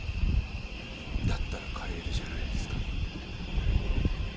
だったら帰れるじゃないですか。